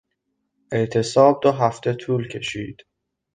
اعتصاب دو هفته طول کشید.